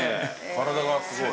体がすごい。